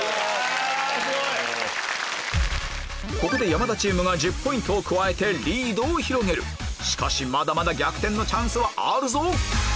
ここで山田チームが１０ポイントを加えてリードを広げるしかしまだまだ逆転のチャンスはあるぞ！